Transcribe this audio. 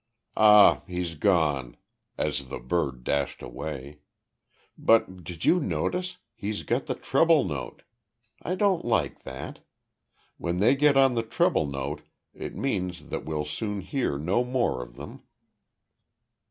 "Ah, he's gone," as the bird dashed away. "But, did you notice he's got the treble note. I don't like that. When they get on the treble note it means that we'll soon hear no more of them."